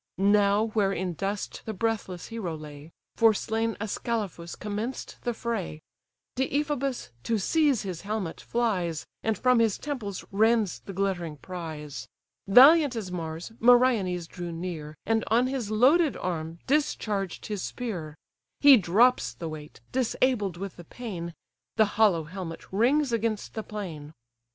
Now, where in dust the breathless hero lay, For slain Ascalaphus commenced the fray, Deiphobus to seize his helmet flies, And from his temples rends the glittering prize; Valiant as Mars, Meriones drew near, And on his loaded arm discharged his spear: He drops the weight, disabled with the pain; The hollow helmet rings against the plain.